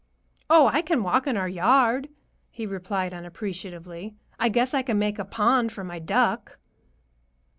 "Oh, I can walk in our yard," he replied unappreciatively. "I guess I can make a pond for my duck."